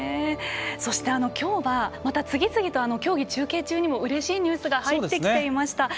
そして、今日はまた次々と競技、中継中にもうれしいニュースが入ってきていました。